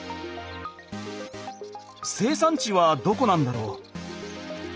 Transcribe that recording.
生産地はどこなんだろう。